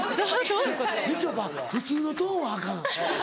みちょぱ普通のトーンはアカン。